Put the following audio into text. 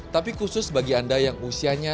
tapi khusus bagi anda yang usianya